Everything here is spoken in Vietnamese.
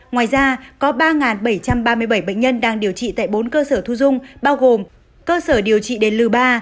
ngoài ra có ba bảy trăm ba mươi bảy bệnh nhân đang điều trị tại bốn cơ sở thu dung bao gồm cơ sở điều trị đến lư ba